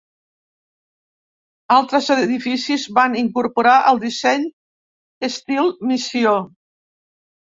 Altres edificis van incorporar el disseny estil missió.